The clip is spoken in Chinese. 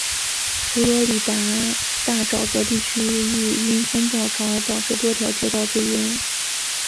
佛罗里达大沼泽地区域因风暴潮而导致多条街道被淹。